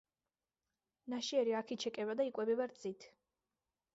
ნაშიერი აქ იჩეკება და იკვებება რძით.